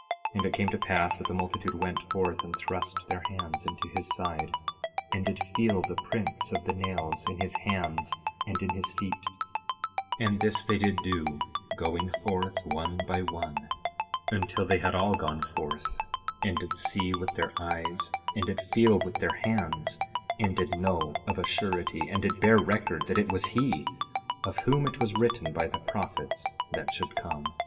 11:15 And it came to pass that the multitude went forth, and thrust their hands into his side, and did feel the prints of the nails in his hands and in his feet; and this they did do, going forth one by one until they had all gone forth, and did see with their eyes and did feel with their hands, and did know of a surety and did bear record, that it was he, of whom it was written by the prophets, that should come.